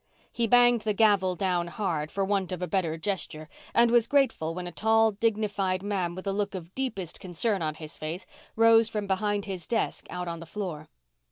He banged the gavel down hard, for want of a better gesture, and was grateful when a tall, dignified man with a look of deepest concern on his face rose from behind his desk out on the floor.